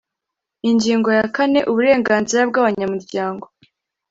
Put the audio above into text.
Ingingo ya kane: Uburenganzira bw’abanyamuryango